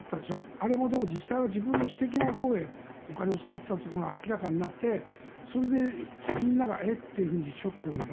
あれも実際は自分の私的なことで使ったことが明らかになってそれでみんながえっ？とショックを受けた。